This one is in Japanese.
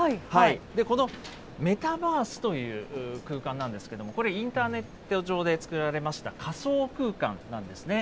このメタバースという空間なんですけれども、これ、インターネット上で作られました仮想空間なんですね。